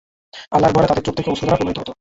আল্লাহর ভয়ে তাদের চোখ থেকে অশ্রু-ধারা প্রবাহিত হত।